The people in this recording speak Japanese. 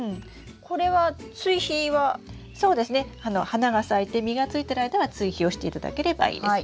花が咲いて実がついてる間は追肥をしていただければいいです。